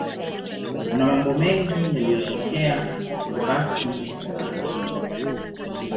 Kuna mambo mengi yaliyotokea wakati wa karne hii.